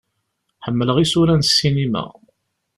Ḥemmleɣ isura n ssinima.